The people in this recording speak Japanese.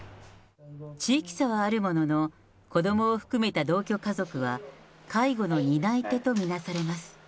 地域差はあるものの、子どもを含めた同居家族は、介護の担い手と見なされます。